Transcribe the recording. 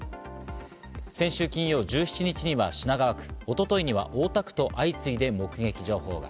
先週金曜１７日には品川区、一昨日には大田区と相次いで目撃情報が。